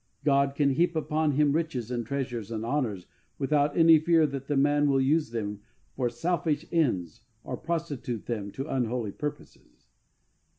God can heap upon him riches and treasures and honours without any fear that the man will use them for selfish ends or prostitute them to unholy purposes.